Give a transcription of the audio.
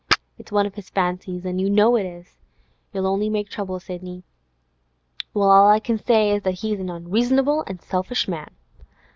It's one of his fancies, an' you know it is. You'll only make trouble, Sidney.' 'Well, all I can say is, he's an unreasonable and selfish man!